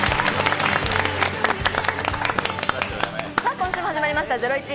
今週も始まりました『ゼロイチ』。